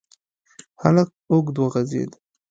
هلک اوږد وغځېد.